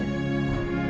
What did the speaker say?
aku mau kemana